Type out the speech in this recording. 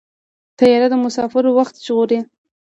طیاره د مسافرو وخت ژغوري.